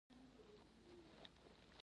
له ځان سره یې په ټوله لار همدا خبرې کولې.